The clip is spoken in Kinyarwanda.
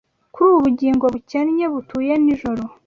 Kuri Ubugingo bukennye butuye nijoro